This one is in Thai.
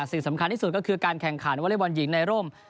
สิ่งสำคัญที่สุดก็คือการแข่งขันวอเล็กบอลหญิงในร่ม